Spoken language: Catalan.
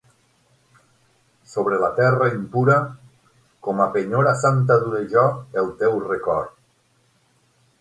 Sobre la terra impura, com a penyora santa duré jo el teu record.